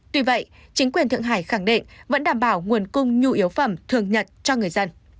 tuy vậy chính quyền thượng hải khẳng định vẫn đảm bảo nguồn cung nhu yếu phẩm thường nhật cho người dân